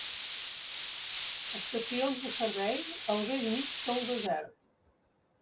Estacions de servei al bell mig del desert.